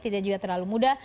tidak juga terlalu mudah